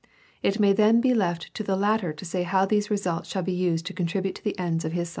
It may then be left to the latter to say how these results shall be used to contribute to the ends of his science.